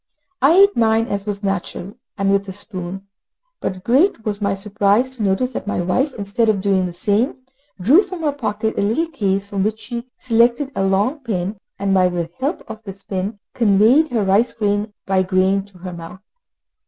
I ate mine, as was natural, with a spoon, but great was my surprise to notice that my wife, instead of doing the same, drew from her pocket a little case, from which she selected a long pin, and by the help of this pin conveyed her rice grain by grain to her mouth.